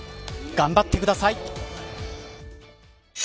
頑張ってください。